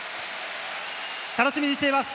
楽しみにしています。